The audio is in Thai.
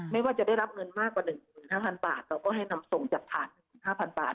ไม่ว่าจะได้รับเงินมากกว่า๑๕๐๐บาทเราก็ให้นำส่งจากผ่าน๑๕๐๐บาท